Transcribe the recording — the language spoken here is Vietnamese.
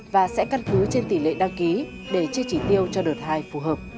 và sẽ căn cứ trên tỷ lệ đăng ký để chia trí tiêu cho đợt hai phù hợp